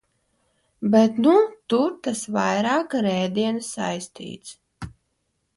Bet nu tur tas vairāk ar ēdienu saistīts.